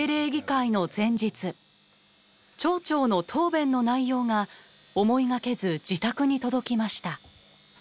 町長の答弁の内容が思いがけず自宅に届きました。